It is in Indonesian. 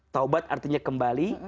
taubat artinya kembali